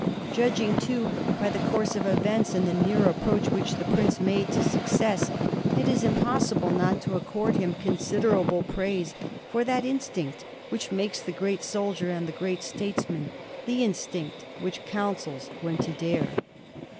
Judging, too, by the course of events and the near approach which the prince made to success, it is impassible not to accord him considerable praise for that instinct which makes the great soldier and the great statesman, the instinct which counsels when to dare.